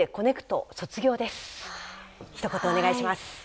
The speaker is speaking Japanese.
ひと言お願いします。